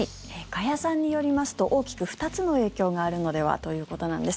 加谷さんによりますと大きく２つの影響があるのではということです。